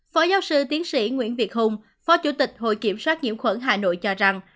phó giáo sư tiến sĩ nguyễn việt hùng phó chủ tịch hội kiểm soát nhiễm khuẩn hà nội cho rằng